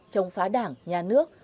chống phá đảng nhà nước